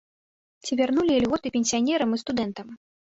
Ці вярнулі ільготы пенсіянерам і студэнтам?